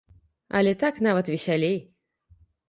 Але так нават весялей.